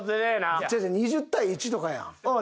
違う違う２０対１とかやん。